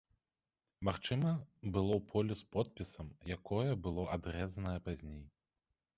Магчыма, было поле з подпісам, якое было адрэзаная пазней.